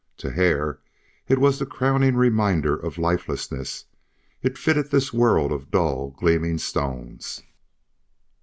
To Hare it was the crowning reminder of lifelessness; it fitted this world of dull gleaming stones.